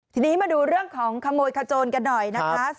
ทีนี้มาดูเรื่องของขโมยขโจนกันหน่อยนะคะ